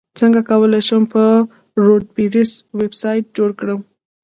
څنګه کولی شم په وردپریس ویبسایټ جوړ کړم